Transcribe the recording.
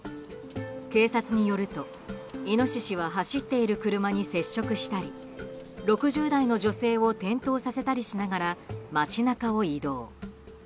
警察によると、イノシシは走っている車に接触したり６０代の女性を転倒させたりしながら街中を移動。